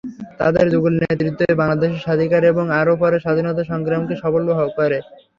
তাঁদের যুগল নেতৃত্বই বাংলাদেশের স্বাধিকার এবং আরও পরে স্বাধীনতা সংগ্রামকে সফল করে।